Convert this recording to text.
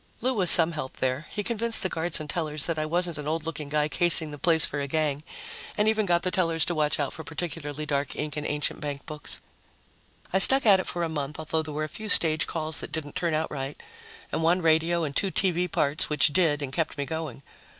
Lou was some help there he convinced the guards and tellers that I wasn't an old looking guy casing the place for a gang, and even got the tellers to watch out for particularly dark ink in ancient bankbooks. I stuck at it for a month, although there were a few stage calls that didn't turn out right, and one radio and two TV parts, which did and kept me going.